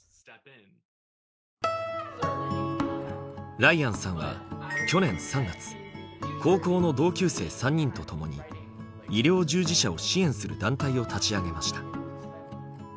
ライアンさんは去年３月高校の同級生３人と共に医療従事者を支援する団体を立ち上げました。